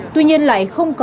tuy nhiên lại không có